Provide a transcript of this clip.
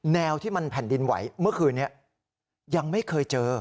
แนวที่มันแผ่นดินไหวเมื่อคืนนี้ยังไม่เคยเจอ